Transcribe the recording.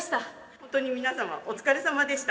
本当に皆様お疲れさまでした。